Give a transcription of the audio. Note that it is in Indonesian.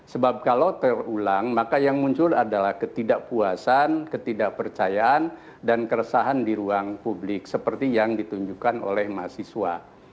sebab kalau terulang maka yang muncul adalah ketidakpuasan ketidakpercayaan dan keresahan di ruang publik seperti yang ditunjukkan oleh mahasiswa